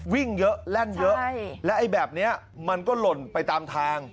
วิ่งเยอะแล่นเยอะและไอ้แบบนี้มันก็หล่นไปตามทาง